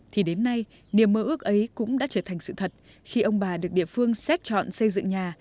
thì đến nay niềm mơ ước ấy cũng đã trở thành sự thật khi ông bà được địa phương xét chọn xây dựng nhà